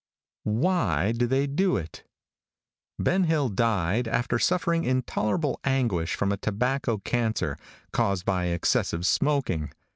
WHY DO THEY DO IT? |BEN HILL, died, after suffering intolerable anguish from a tobacco cancer, caused by excessive smoking.